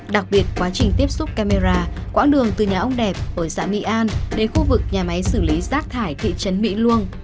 đặc biệt quá trình tiếp xúc camera quãng đường từ nhà ông đẹp ở xã mỹ an đến khu vực nhà máy xử lý rác thải thị trấn mỹ luông